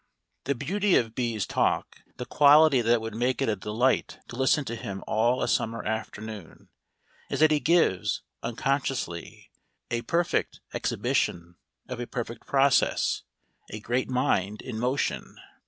The beauty of B 's talk, the quality that would make it a delight to listen to him all a summer afternoon, is that he gives, unconsciously, a perfect exhibition of a perfect process, a great mind in motion.